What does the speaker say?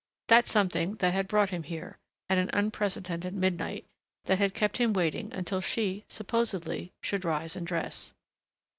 that something that had brought him here, at an unprecedented midnight ... that had kept him waiting until she, supposedly, should rise and dress....